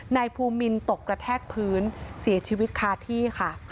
นายภูมินตกกระแทกพื้นเสียชีวิตคาที่ค่ะ